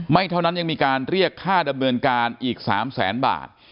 ไม่เท่านั้นยังมีการเรียกค่าดำเนินการอีก๓แสนบาท